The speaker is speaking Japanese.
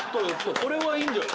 これはいいんじゃない？